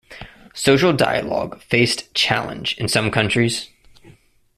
Social dialogue faced challenge in some countries.